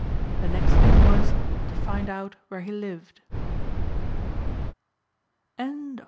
The next thing was to find out where he lived.